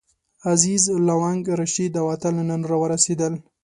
عزیز، لونګ، رشید او اتل نن راورسېدل.